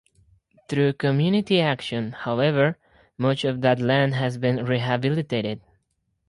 Through community action however, much of that land has been rehabilitated.